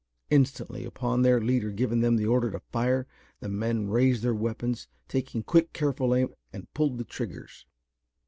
Instantly, upon their leader giving them the order to fire, the men raised their weapons, taking quick, careful aim, and pulled the triggers.